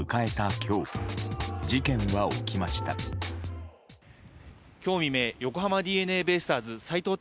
今日未明横浜ＤｅＮＡベイスターズ斎藤隆